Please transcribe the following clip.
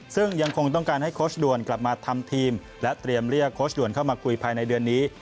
ซึ่งยังคงต้องการให้โค้ชด่วนกลับมาทำทีมและเตรียมเรียกโค้ชด่วนเข้ามาคุยภายในเดือนนี้